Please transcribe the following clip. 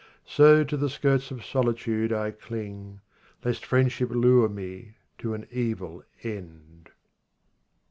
So to the skirts of solitude I cling, Lest friendship lure me to an evil end.